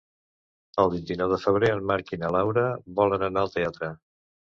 El vint-i-nou de febrer en Marc i na Laura volen anar al teatre.